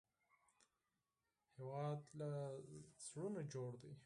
هېواد له زړونو جوړ دی